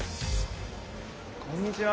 こんにちは。